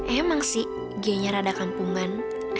emang sih g nya rada kampungan